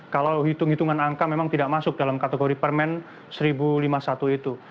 kalau hitung hitungan angka memang tidak masuk dalam kategori permen seribu lima puluh satu itu